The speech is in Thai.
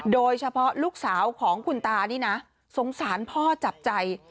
โดยเฉพาะลูกสาวของคุณตานี่นะสงสารพ่อจับใจ